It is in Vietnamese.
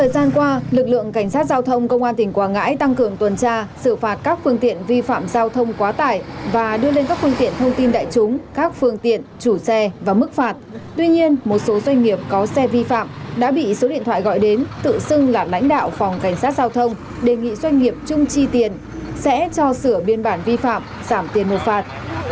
sẽ cho sửa biên bản vi phạm giảm tiền một phạt